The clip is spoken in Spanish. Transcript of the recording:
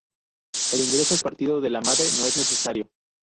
El ingreso al partido de madre no es necesario.